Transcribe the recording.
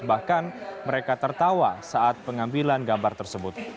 bahkan mereka tertawa saat pengambilan gambar tersebut